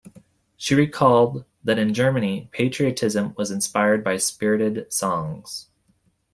She recalled that in Germany patriotism was inspired by spirited songs.